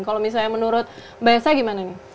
kalau misalnya menurut mbak esa gimana nih